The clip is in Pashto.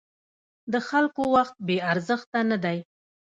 د خلکو وخت بې ارزښته نه دی.